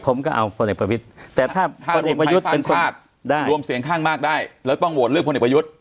ผมก็เอาพลเอกประวิทรแต่ถ้าพลเอกประวิทรเป็นคนถ้าหลวงไทยสร้างชาติรวมเสียงข้างมากได้แล้วต้องโหวตเลือกพลเอกประวิทร